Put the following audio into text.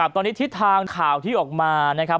ตอนนี้ทิศทางข่าวที่ออกมานะครับ